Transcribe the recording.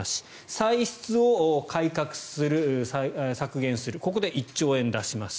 歳出を改革する、削減するここで１兆円出します。